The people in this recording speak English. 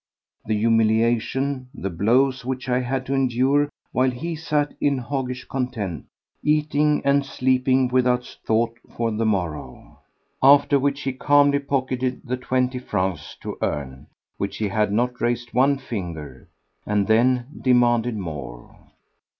—the humiliation, the blows which I had to endure while he sat in hoggish content, eating and sleeping without thought for the morrow? After which he calmly pocketed the twenty francs to earn which he had not raised one finger, and then demanded more.